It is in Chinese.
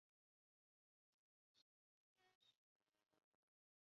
钩足平直蚤为盘肠蚤科平直蚤属的动物。